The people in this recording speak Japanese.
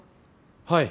はい。